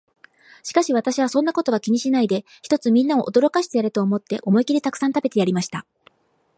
しかし私は、そんなことは気にしないで、ひとつみんなを驚かしてやれと思って、思いきりたくさん食べてやりました。